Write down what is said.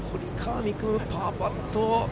夢、パーパット。